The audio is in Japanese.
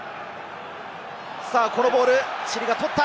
このボール、チリが取った。